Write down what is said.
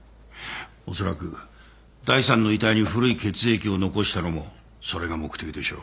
おそらく第３の遺体に古い血液を残したのもそれが目的でしょう。